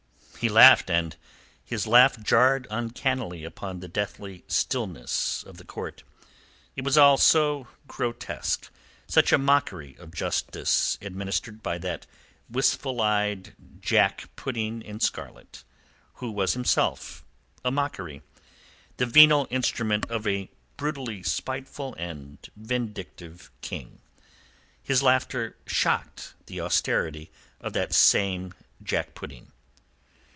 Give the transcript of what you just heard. He laughed, and his laugh jarred uncannily upon the deathly stillness of the court. It was all so grotesque, such a mockery of justice administered by that wistful eyed jack pudding in scarlet, who was himself a mockery the venal instrument of a brutally spiteful and vindictive king. His laughter shocked the austerity of that same jack pudding.